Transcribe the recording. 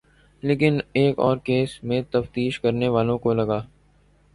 لیکن ایک اور کیس میں تفتیش کرنے والوں کو لگا